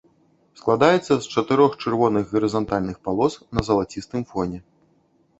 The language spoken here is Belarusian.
Складаецца з чатырох чырвоных гарызантальных палос на залацістым фоне.